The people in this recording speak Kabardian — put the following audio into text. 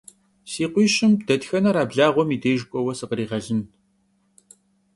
Si khuişım detxener a Blağuem yi dêjj k'ueue sıkhriğelın?